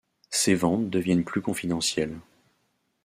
Ses ventes deviennent plus confidentielles.